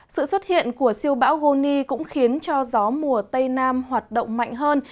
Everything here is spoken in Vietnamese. sự xuất hiện của siêu bão goni cũng khiến cho gió mùa tây nam hoạt động mạnh hơn